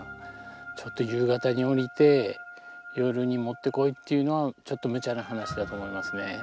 ちょっと夕方に下りて夜に持ってこいっていうのはちょっとむちゃな話だと思いますね。